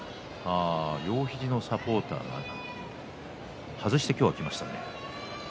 両肘のサポーター外してきましたね。